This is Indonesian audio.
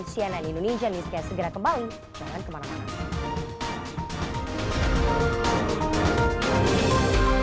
cnn indonesia newscast segera kembali jangan kemana mana